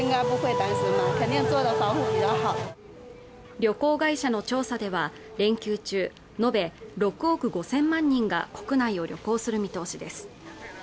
旅行会社の調査では連休中延べ６億５０００万人が国内を旅行する見通しです